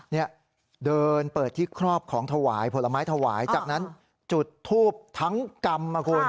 เนี่ยเดินเปิดที่ครอบของถวายผลไม้ถวายจากนั้นจุดทูบทั้งกรรมนะคุณ